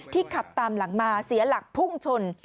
ขับตามหลังมาเสียหลักพุ่งชน